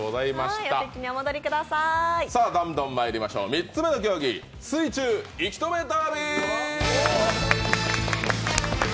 ３つ目の競技、水中息止めダービー！